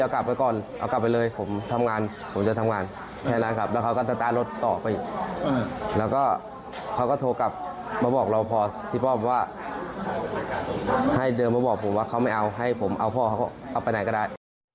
ว่าให้ผมเอาพ่อเขาก็เอาไปไหนก็ได้